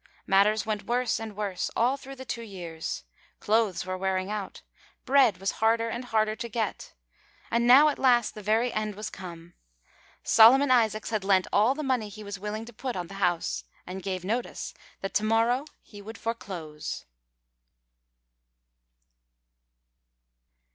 Matters went worse and worse, all through the two years. Clothes were wearing out, bread was harder and harder to get. And now, at last, the very end was come. Solomon Isaacs had lent all the money he was willing to put on the house, and gave notice that to morrow he would foreclose.